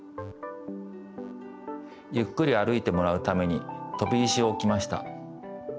ゆっくり歩いてもらうためにとび石をおきました。